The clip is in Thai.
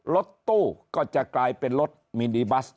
รถตู้ก็จะกลายเป็นรถมินิบัส